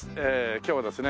今日はですね